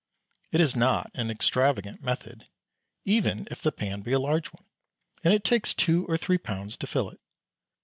It is not an extravagant method, even if the pan be a large one, and it takes two or three pounds to fill it.